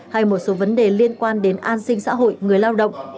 hay một số vấn đề liên quan đến an sinh xã hội người lao động